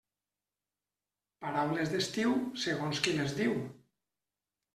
Paraules d'estiu, segons qui les diu.